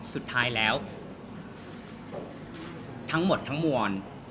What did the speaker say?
สุดท้ายแล้วทั้งหมดทั้งมวล